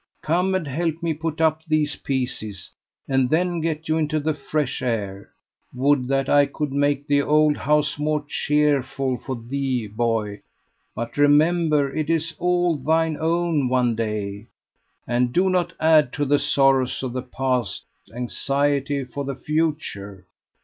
Come and help me put up these pieces, and then get you into the fresh air. Would that I could make the old house more cheerful for thee, boy; but remember it is all thine own one day, and do not add to the sorrows of the past, anxiety for the future!"